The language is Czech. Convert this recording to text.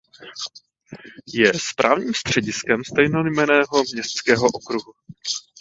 Je správním střediskem stejnojmenného městského okruhu.